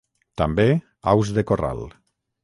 També aus de corral.